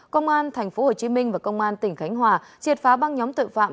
công an tp hcm và công an tỉnh khánh hòa triệt phá băng nhóm tội phạm